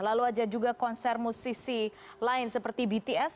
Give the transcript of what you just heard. lalu ada juga konser musisi lain seperti bts